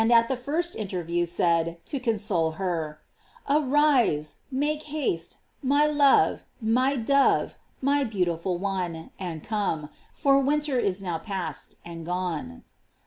at the first interview said, to console her; "Arise, make haste, my love, my dove, my beautiful one, and come; for winter is now past ... and gone."